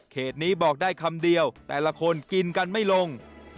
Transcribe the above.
นี้บอกได้คำเดียวแต่ละคนกินกันไม่ลง